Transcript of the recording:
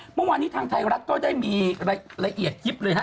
เมื่อวานที่ทางไทยรัฐก็ได้มีละเอียดกิ๊บเลยฮะ